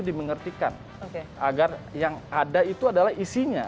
dimengertikan agar yang ada itu adalah isinya